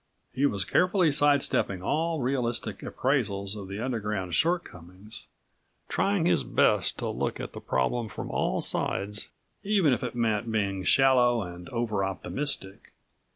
He was carefully sidestepping all realistic appraisals of the Underground's shortcomings, trying his best to look at the problem from all sides, even if it meant being shallow and over optimistic.